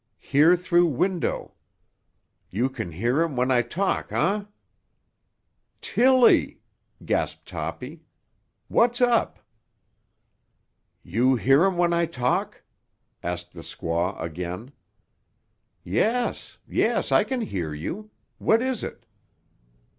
Hear through window. You can hear um when I talk huh?" "Tilly!" gasped Toppy. "What's up?" "You hear um what I talk?" asked the squaw again. "Yes, yes; I can hear you. What is it?"